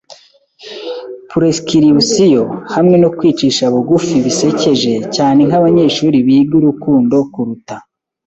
prescription, hamwe no kwicisha bugufi bisekeje, cyane nkabanyeshuri biga urukundo kuruta